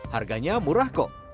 harganya murah kok